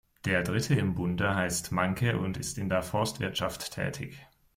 Der Dritte im Bunde heißt Mahnke und ist in der Forstwirtschaft tätig.